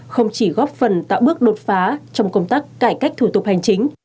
không chỉ góp phần tạo bước đột phá trong công tác cải cách thủ tục hành chính